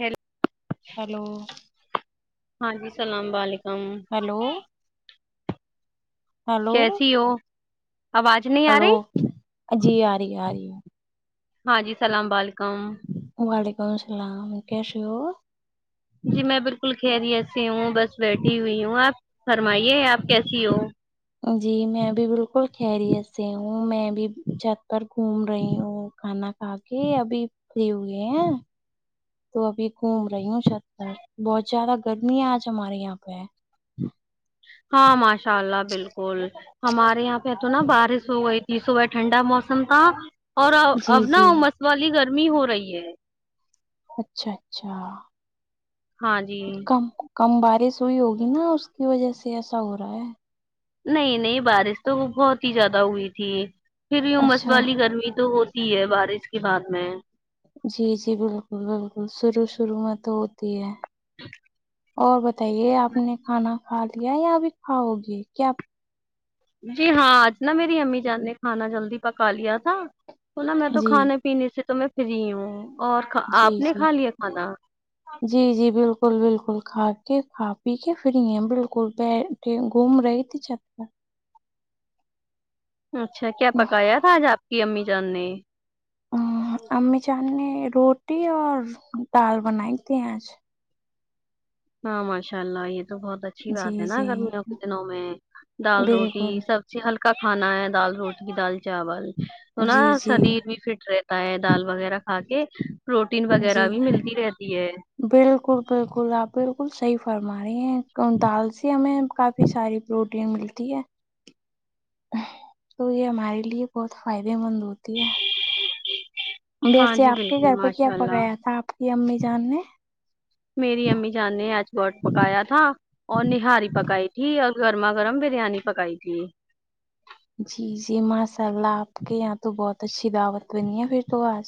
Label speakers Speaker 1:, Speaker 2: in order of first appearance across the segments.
Speaker 1: hello
Speaker 2: hello
Speaker 1: ہاں جی سلام و علیکم
Speaker 2: ہیلو ہیلو
Speaker 1: کیسی ہو آواج
Speaker 2: ہلو جی آ ری آ ری
Speaker 1: ہاں جی سلام و لکم
Speaker 2: وعلیکم السلام کسے ہو
Speaker 1: جی میں بالکل خریت سے ہوں بس بیٹھی ہوئی ہوں آپ فرمائیے آپ کیسی ہو
Speaker 2: جی میں بھی بالکل خیریت سے ہوں میں بھی چھت پر گھوم رہی ہوں کھانا آگے ابھی فری ہوئے ہیں تو ابھی گھوم رہی ہوں چھت پر بہت زیادہ گرمی ہے آج ہمارے یہاں پے ہے
Speaker 1: ہاں ماشاء اللہ بالکل ہمارے یہاں پے تو نا بارش ہو گئی تھی صبح ٹھنڈا موسم تھا اور اب
Speaker 2: جی
Speaker 1: نا
Speaker 2: جی
Speaker 1: مست والی گرمی ہو رہی ہے
Speaker 2: اچھا اچھا
Speaker 1: ہاں جی
Speaker 2: کم کم بارش ہوئی ہوگی نا اس کی وجہ سے ایسا ہو رہا ہے
Speaker 1: نہیں نہیں بارش تو بہت ہی زیادہ ہوئی تھی پھر بی مست
Speaker 2: اچھا
Speaker 1: والی گرمی تو ہو تی ہے بارش کے بعد میں
Speaker 2: جی جی بالکل بالکل شروع شروع میں تو ہوتی ہے اور بتائیے آپ نے کھانا کھا لیا یا ابھی کھاؤ گے کیا
Speaker 1: جی ہاں آج نا میری امی جان نے کھانا جلدی پکا لیا تھا تو نا میں تو
Speaker 2: جی
Speaker 1: کھانے پینے سے تو میں فری ہوں اور
Speaker 2: جی
Speaker 1: آپ نے
Speaker 2: جی
Speaker 1: کھا لیا کھانا
Speaker 2: جی جی بالکل بالکل کھا کے کھا پی کے فری ہیں ہم بالکل گوم رہی تھی چھت پر
Speaker 1: اچھا کیا پکایا تھا آج آپ کی امی جان نے
Speaker 2: امی جان نے روٹی اور دال بنائی تھی آج
Speaker 1: ہاں ماشاء اللہ یہ تو بہت اچھی
Speaker 2: جی
Speaker 1: بات ہے نا
Speaker 2: جی
Speaker 1: گرمیوں کے دنوں میں دال روٹی
Speaker 2: بالکل
Speaker 1: سب ہلکا کھانا ہے دال روٹی دال چاول تو نا
Speaker 2: جی جی
Speaker 1: شریر بھی فٹ رہتا ہے دال وغیرہ کھا کے پروٹین
Speaker 2: جی
Speaker 1: وغیرہ بھی ملتی رہتی ہے
Speaker 2: بالکل بالکل آپ بالکل صحیح فرما رہی ہیں دالسی ہمیں کافی ساری پروٹین ملتی ہے تو یہ ہمارے لیے بہت فائدے مند ہوتی ہے
Speaker 1: ہاں
Speaker 2: ویسے
Speaker 1: جی
Speaker 2: آپ کے
Speaker 1: بالکل
Speaker 2: گھر پہ کیا
Speaker 1: ماشاء اللہ
Speaker 2: پکایا تھا آپ کی امی جان نے
Speaker 1: میری امی جان نے آج بٹ پکایا تھا اور نہاری پکائی تھی اور گرما گرم بریانی پکائی تھی
Speaker 2: جی جی ماشاء اللہ آپ کے یہاں تو بہت اچھی دعوت بنی ہے پھر تو آج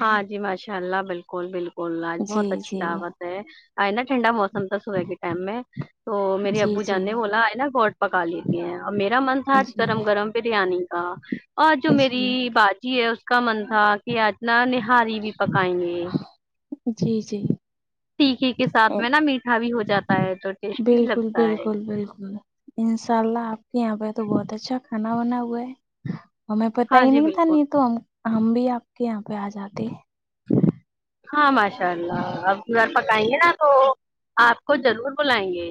Speaker 1: ہاں جی ماشاء اللہ بالکل بالکل لاج
Speaker 2: جی
Speaker 1: بہت اچھی
Speaker 2: جی
Speaker 1: طاقت ا ٹنڈا موسم تھا صبح کے ٹم ہے تو میری
Speaker 2: جی
Speaker 1: ابو جان
Speaker 2: جی
Speaker 1: نے بولا ہے نا گوٹ پکا لیتی ہیں اور میرا من تھا
Speaker 2: جی
Speaker 1: گرم گرم بریانی کا اور جو میری
Speaker 2: جی
Speaker 1: باجی ہے کا من تھا کہ آج نا نہاری بھی پکائیں گے
Speaker 2: جی جی
Speaker 1: ٹیکے کے ساتھ میں نا میٹھا بھی ہو جاتا ہے تو ٹیسٹی
Speaker 2: بالکل
Speaker 1: لگتا ہے
Speaker 2: بالکل بالکل انشاء اللہ آپ کے یہاں پہ تو بہت اچھا کھانا ونا ہوا ہے ہمیں پتا
Speaker 1: ہاں
Speaker 2: ہی
Speaker 1: جی
Speaker 2: نہیں تھا
Speaker 1: بالکل
Speaker 2: نہیں تو ہم ہم بھی آپ کے یہاں پہ آ جاتے
Speaker 1: ہاں ماشاء اللہ اب اگر گھر پکائیں گے نا تو آپ کو ضرور بلائیں گے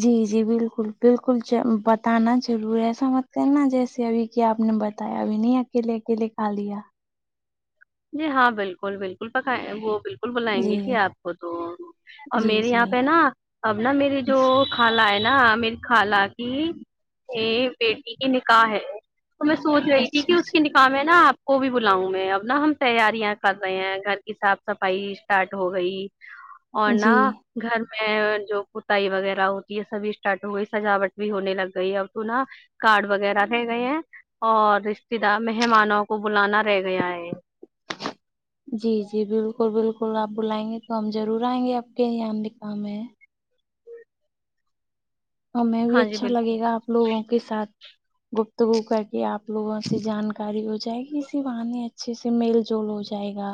Speaker 2: جی جی بالکل بالکل ضرور بتانا ضرور ایسا مت کرنا جیسے ابھی کہ آپ نے بتایا ابھی نہیں اکیلے اکیلے کھا لیا
Speaker 1: جی ہاں بالکل بالکل پکھا وہ بالکل بلائیں گے جی آپ کو تو اور
Speaker 2: جی
Speaker 1: میرے
Speaker 2: جی
Speaker 1: یہاں پہ نا اب نا میری جو خالا ہے نا میری خالہ کی یہ بیٹی کی نکاح ہے تو میں سوچ رہی تھی کہ
Speaker 2: اچھا
Speaker 1: اس کی
Speaker 2: اچھا
Speaker 1: نکح ہے نا آپ کو بھی بلاؤں میں اب نا ہم تیاریاں کر رہے ہیں گھر کی صاف صفائی اسٹارٹ ہو گئی اور نہ
Speaker 2: جی
Speaker 1: گھر میں جو کتائی وغیرہ ہوتی ہے سبھی اسٹارٹ ہو گئی سجاوٹ بھی ہونے لگ گئی ہے اب تو نا کارڈ وغیرہ رہ گئے ہیں اور رشتے دار مہمانوں کو بلانا رہ گیا ہے
Speaker 2: جی جی بالکل بالکل آپ بلائیں گے تو ہم ضرور آئیں گے آپ کے یہاں دکام ہے ہمیں بھی
Speaker 1: ہاں جی
Speaker 2: اچھا
Speaker 1: بالکل
Speaker 2: لگے گا آپ لوگوں کے ساتھ گپتگو کر کے آپ لوگوں سے جانکاری ہو جائےی کسی واہنی اچھے سے میل جول ہو جائے جائے گا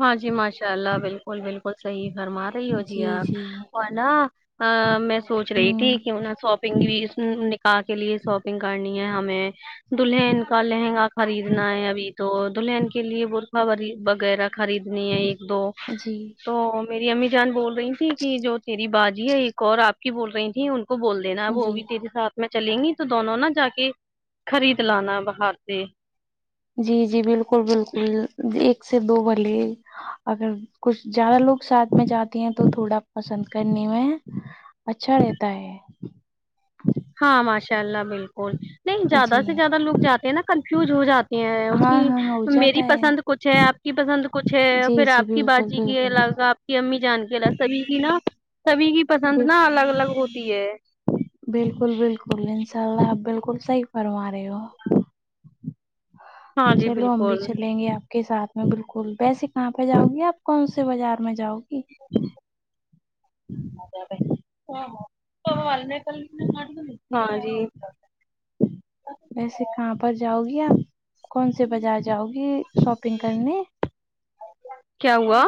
Speaker 1: ہاں جی ماشاء اللہ بالکل بالکل صحیح فرمار سہی ہو جی آپ اور نا میں سوچ رہی
Speaker 2: ہوں
Speaker 1: تھی کہ سوپ شپنگ بھی نکاح کے لیے شاپنگ کرنی ہے ہمیں دلہن کا لہنگا خریدنا ہے ابھی تو دلہن کے لیے برقہ وغیرہ خریدنی ہے ایک دو
Speaker 2: جی
Speaker 1: تو میری امی جان بول رہی تھھی کی جو تیری باجی ہے ایک اور آپ کی بول رہی تھی ان کو بول دینا وہ
Speaker 2: جی
Speaker 1: بھی تیرے ساتھ میں چلیں گی تو دونوں نا جا کے خرید لانا باہر سے
Speaker 2: جی جی بالکل بالکل ایک سے دو بھلے اگر کچھ زیادہ چار لوگ ساتھ میں جاتے ہیں تو تھوڑا پسند کرنے میں اچھا رہتا ہے
Speaker 1: ہاں ماشاء اللہ بالکل نہیں زیادہ
Speaker 2: جی
Speaker 1: سے زیادہ لوگ جاتے ہیں نا کنفیوز ہو جاتے ہیں اس کی
Speaker 2: ہاں ہاں ہو جاتا
Speaker 1: میری پسند کچھ ہے آپ کی پسند کچھ ہے
Speaker 2: جی
Speaker 1: پھر
Speaker 2: جی
Speaker 1: آپ کی
Speaker 2: بالکل
Speaker 1: باجی کی
Speaker 2: بالکل
Speaker 1: الگ آپ کی امی جان کے سبھی کی نا سبھی کی پسند
Speaker 2: بال
Speaker 1: نا الگ الگ ہوتی ہے
Speaker 2: بالکل بالکل انشاء اللہ آپ بالکل صحیح فرما رہے ہو
Speaker 1: ہاں جی
Speaker 2: چلو ہم بھی
Speaker 1: بالکل
Speaker 2: چلیں گے آپ کے ساتھ میں بالکل ویسے کہاں پے جاؤں گی آپ کون سے بازار میں جاؤ گی
Speaker 1: کہاں جارہے ہاں [unintelligible] ہاں جی
Speaker 2: ویسے کہاں پر جاؤ گی آپ کون سے بازار جاؤ گی شاپنگ کرنے
Speaker 1: کیا ہوا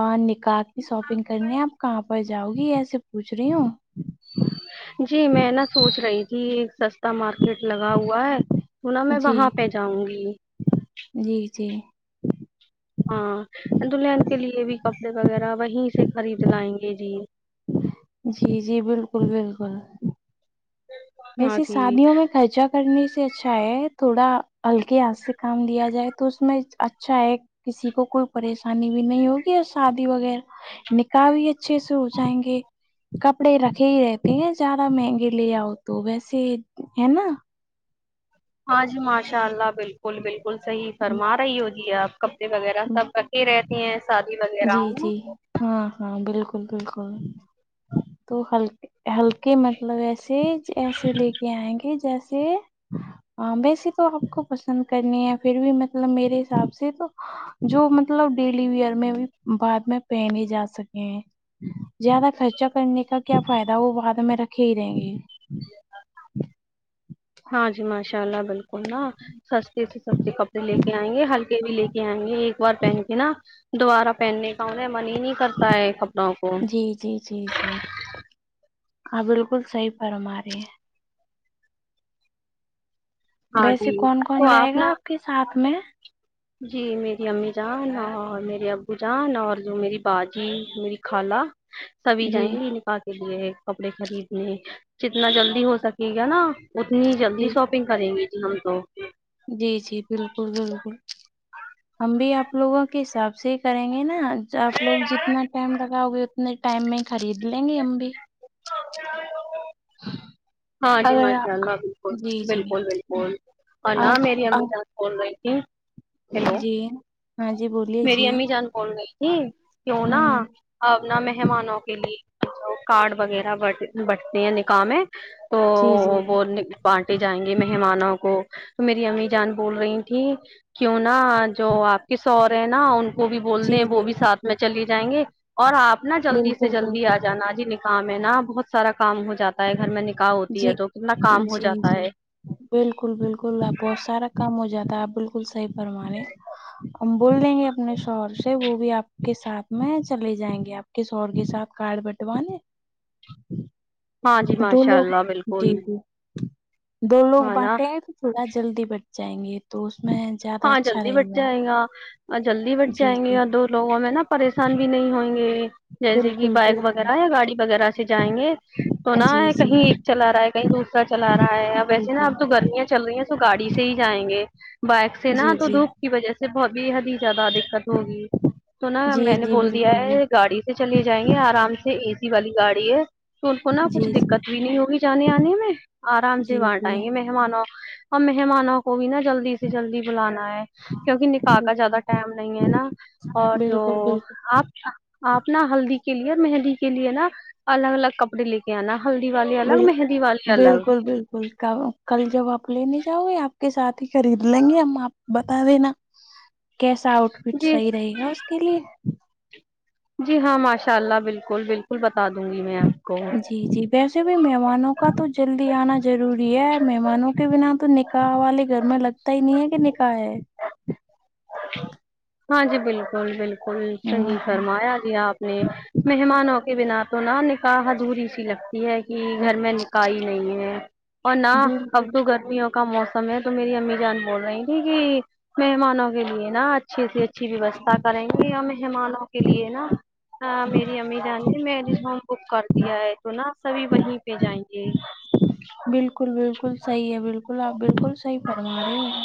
Speaker 2: اور نکاح کی شاپنگ کرنی ہے آپ کہاں پر جاؤ گی ایسے پوچھ رہی ہوں
Speaker 1: جی میں نا سوچ رہی تھی سستا مارکیٹ لگا ہوا ہے تو نا میں
Speaker 2: جی
Speaker 1: وہاں پے جاؤں گی
Speaker 2: جی جی
Speaker 1: ہاں دلہن کے لیے بھی کپڑے وغیرہ وہیں سے خرید لائیں گے جی
Speaker 2: جی جی بالکل بالکل
Speaker 1: ہاں
Speaker 2: ویسے
Speaker 1: جی
Speaker 2: شادیوں میں خارجہ کرنے سے اچھا ہے تھوڑا ہلکے ہاتھ سے کام لیا جائے تو اس میں اچھا ہے کسی کو کوئی پریشانی بھی نہیں ہوگی شادی وغیرہ نکاح بھی اچھے سے ہو جائیں گے کپڑے رکھے ہی رہتے ہیں زیادہ مہنگے لے آو تو ویسے ہے نا
Speaker 1: ہاں جی ماشاء اللہ بالکل بالکل صحیح فرما رہی ہو جی آپ کپڑے وغیرہ سب کرتی ہی رہتی ہیں ساتھ
Speaker 2: جی جی ہاں ہاں بالکل بالکل تو ہلک ہلکے مطلب ایسے ایسے لے کے آئیں گے جیسے ہاں ویسے تو آپ کو پسند کرنی ہے پھر بھی مطلب میرے حساب سے تو جو مطلب ڈیلی ویر میں بعد میں پے نہیں جا سکے ہے زیادہ خرچہ کرنے کا کیا فائدہ وہ بعد میں رکھے ہی رہیں گے
Speaker 1: ہاں جی ماشاء اللہ بالکل نا سستے سے سستے کپڑے لے کے ائیں گے ہلکے بھی لے کے ائیں گے ایک بار پہن کے نا دوبارہ پہننے کا انہیں من ہی نہیں کرتا ہے کپڑوں کو
Speaker 2: جی جی جی جی ہاں آپ بالکل صحیح فرما رہی ہیں
Speaker 1: ہاں
Speaker 2: ویسے
Speaker 1: جی
Speaker 2: کون کون
Speaker 1: تو
Speaker 2: جائے گا
Speaker 1: نا
Speaker 2: آپ کے ساتھ میں
Speaker 1: جی میری امی جان اور میرے ابو جان اور میری باجی میری خالا سبھی
Speaker 2: جی
Speaker 1: جائیں گی نکاح کے لیے کپڑے خریدنے جتنا جلدی ہو سکے گا نا اتنی جلدی
Speaker 2: جی
Speaker 1: شاپنگ کریں گی جی ہم تو
Speaker 2: جی جی بالکل بالکل ہم بھی اپ لوگوں کے حساب سے ہی کریں گے نا آپ لوگ جتنا ٹائم لگاؤ گے اتنے ٹائم میں خرید لیں گے ہم بھی
Speaker 1: [unintelligible] ہاں جی
Speaker 2: اگر آپ
Speaker 1: ماشاء اللہ بالکل
Speaker 2: جی جی
Speaker 1: بالکل بالکل اور نہ
Speaker 2: آپ
Speaker 1: میری امی
Speaker 2: آپ
Speaker 1: جان بول رہی تھی ہیلو
Speaker 2: جی ہاں جی بولیے
Speaker 1: میری
Speaker 2: جی
Speaker 1: امی جان بول رہی تھی جی کیوں نہا
Speaker 2: ہوں
Speaker 1: اپنا مہمانوں کے لیے ینو کاڈ وغیرہ باڈی میں بٹتے ہیں نکاح مے تو
Speaker 2: جی جی
Speaker 1: وہ بانٹے جائیں گے مہمانوں کو میری امی جان بول رہی تھیں کیوں نہ جو اپ کی سو رہے ہیں نا ان کو بھی بول
Speaker 2: جی
Speaker 1: دیں وہ
Speaker 2: جی
Speaker 1: بھی ساتھ میں چلی جائیں گے اور اپ نا جلدی سے
Speaker 2: بالکل
Speaker 1: جلدی ا
Speaker 2: بالکل
Speaker 1: جانا جی نکل کام ہے نا بہت سارا کام ہو جاتا ہے گھر میں نکاح ہوتی ہے
Speaker 2: جی
Speaker 1: تو کتنا کام ہو
Speaker 2: جی
Speaker 1: جاتا ہے
Speaker 2: جی بالکل بالکل اپ بہت سارا کام ہو جاتا ہے اپ بالکل صحیح فرما رہے ہم بول لیں گے اپنے شوہر سے وہ بھی اپ کے ساتھ میں چلے جائیں گے اپ کس اور کے ساتھ کارڈ بنٹوانے
Speaker 1: ہاں جی
Speaker 2: دو
Speaker 1: ماشاء
Speaker 2: لوگ
Speaker 1: اللہ
Speaker 2: دی
Speaker 1: بالکل
Speaker 2: ہوں دو لوگ
Speaker 1: ہاں نا
Speaker 2: بانٹے ہیں تو تھوڑا جلدی بٹ جائیں گے تو اس میں زیادہ
Speaker 1: ہاں
Speaker 2: اچھا
Speaker 1: جلدی
Speaker 2: رہے
Speaker 1: بٹ
Speaker 2: گا
Speaker 1: جائے گا جلدی بٹ
Speaker 2: جی
Speaker 1: جائیں
Speaker 2: جی
Speaker 1: گے دو لوگوں میں نا پریشان بھی نہیں ہوںیں گے جیسے کہ
Speaker 2: بالکل
Speaker 1: بائک وغیرہ
Speaker 2: بالکل
Speaker 1: یا گاڑی وغیرہ سے سے جائیں گے تو نا
Speaker 2: جی
Speaker 1: ہے
Speaker 2: جی
Speaker 1: کہیں ایک چلا رہا ہے کہیں دوسرا چلا رہا ہے اب
Speaker 2: جی
Speaker 1: ویسے نا
Speaker 2: جی
Speaker 1: اب تو گرمیاں چل رہی ہیں تو گاڑی سے ہی جائیں گے بائک سے نا
Speaker 2: جی
Speaker 1: تو
Speaker 2: جی
Speaker 1: دھوپ کی وجہ سے بہت بے حد ہی زیادہ دقت ہوگی تو نا
Speaker 2: جی
Speaker 1: میں نے
Speaker 2: جی
Speaker 1: بول دیا
Speaker 2: بالکل
Speaker 1: ہے گاڑی سے چلے جائیں گے آرام سے اے سی والی گاڑی ہے تو ان کو نا
Speaker 2: جی
Speaker 1: کچھ
Speaker 2: جی
Speaker 1: دقت بھی نہیں ہوگی جانے آنے میں آرام
Speaker 2: جی
Speaker 1: سے بانٹ
Speaker 2: جی
Speaker 1: آئیں گے میں مہمانوں اور مہمانوں کو بھی نا جلدی سے جلدی بلانا ہے کیونکہ نکاح کا زیادہ
Speaker 2: بالکل
Speaker 1: ٹائم نہیں ہے نا اور جو
Speaker 2: بالکل بالکل
Speaker 1: آپ آپ نا ہلدی کے لیے مہندی کے لیے نا الگ الگ کپڑے لے کے کے انا ہلدی والے الگ مہندی والے الگ
Speaker 2: کب کا کل جب آپ لینے جاؤ گے آپ کے ساتھ ہی خرید لیں گے ہم آپ کو بتا دینا کیسا آؤٹ فٹ
Speaker 1: جی
Speaker 2: صحیح رہے گا اس کے لیے
Speaker 1: جی ہاں ماشاء اللہ بالکل بالکل بتا دوں گی میں آپ کو
Speaker 2: جی جی ویسے بھی مہمانوں کا تو جلدی آنا ضروری ہے مہمانوں کے بنا تو نکاح والے گھر میں لگتا ہی نہیں ہے کہ نکاح ہے
Speaker 1: ہاں جی بالکل بالکل بالکل صحیح
Speaker 2: ہوں
Speaker 1: فرمایا جی آپ نے مہمانوں کو کے بنا تو نا نکاح دھور ای سی لگتی ہے کہ گھر میں نکاح ہی نہیں ہے اور نہ اب
Speaker 2: بالکل
Speaker 1: تو گرمی ہو کا موسم ہے تو میری امی جان بول رہی تھی کہ مہمانوں کے لیے نا اچھے سے اچھی ویوستھا کریں گے مہمانوں کے لیے نا میری امی جان میرج ہال بک کر دیا ہے تو نا سبھی وہیں پہ جائیں گے
Speaker 2: بالکل بالکل صحیح ہے بالکل آپ بالکل صحیح فرما رہے ہو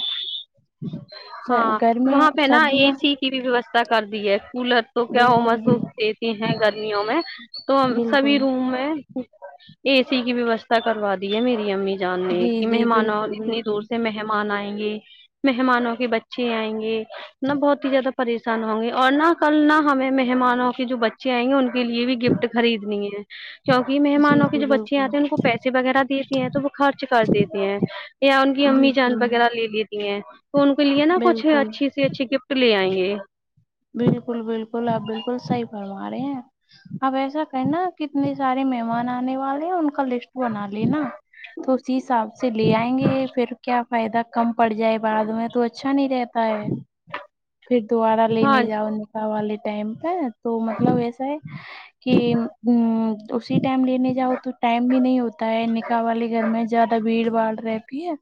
Speaker 1: ہاں
Speaker 2: گرمی
Speaker 1: وہاں پہ نا اے
Speaker 2: سردیوں
Speaker 1: سی کی بھی ویوستھا کر دی ہے کولر تو کیا
Speaker 2: بالکل
Speaker 1: امس
Speaker 2: بالکل
Speaker 1: دیتی ہیں گرمیوں میں تو ہم
Speaker 2: بالکل
Speaker 1: سبھی روم میں اے سی کی ویوستھا کروا دی ہے میری امی جان نے
Speaker 2: جی
Speaker 1: کہ
Speaker 2: جی
Speaker 1: مہمانوں اور
Speaker 2: بالکل
Speaker 1: اتنی
Speaker 2: بالکل
Speaker 1: دور سے مہمان آئیں گے مہمانوں کے بچے آئیں گے نا بہت ہی زیادہ پریشان ہوں گے اور نہ کل نہ ہمیں مہمانوں کے جو بچے آئیں گے ان کے لیے بھی گفٹ خریدنی ہے کیونکہ
Speaker 2: جی
Speaker 1: مہمانوں کی
Speaker 2: جی
Speaker 1: جو بچیاں
Speaker 2: بالکل
Speaker 1: آتی ہیں ان کو پیسے وغیرہ دیتی ہیں تو وہ خرچ کر دیتی ہیں یا ان کی امی جان
Speaker 2: بالکل
Speaker 1: وغیرہ لے لیتی ہیں تو ان کے لیے نا کچھ
Speaker 2: بالکل
Speaker 1: کسی اچھی گفٹ لے آئیں گے
Speaker 2: بالکل بالکل آپ بالکل صحیح فرما رہے ہیں اب ایسا کرنا نا کتنے سارے مہمان آنے والے ہیں ان کا لسٹ بنا لینا تو اسی حساب سے لے آئیں گے پھر کیا فائدہ کم پڑ جائے بعد میں تو اچھا نہیں رہتا ہے پھر دوبارہ
Speaker 1: ہاں
Speaker 2: لینے جاؤ نکاح والے ٹائم پہ تو مطلب ایسا ہے کہ اسی ٹائم لینے جاؤ تو ٹائم بھی نہیں ہوتا ہے نکاح والے گھر میں زیادہ بھیڑ باڑ رہتی ہے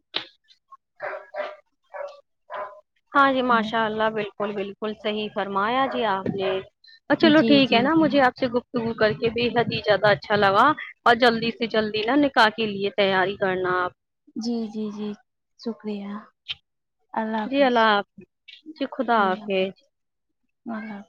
Speaker 1: ہاں جی
Speaker 2: ہے
Speaker 1: ماشاء اللہ بالکل بالکل صحیح فرمایا جی آپ نے چلو
Speaker 2: جی
Speaker 1: ٹھیک
Speaker 2: جی
Speaker 1: ہے نا
Speaker 2: جی
Speaker 1: مجھے آپ سے گفتگو کر کے بے حد ہی زیادہ اچھالگا اور جلدی سے جلدی نا نکاح کے لیے تیاری کرنا آپ
Speaker 2: جی جی جی شکریہ
Speaker 1: جی اللہ حافظ جی خدا حافظ
Speaker 2: ملب